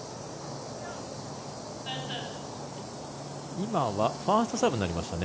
今はファーストサーブになりましたね。